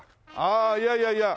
あいやいやいや。